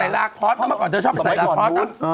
ใส่ลากคอร์สเขามาก่อนเธอชอบใส่ลากคอร์ส